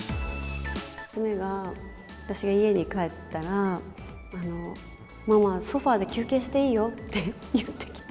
娘が、私が家に帰ったら、ママ、ソファで休憩していいよって言ってきて。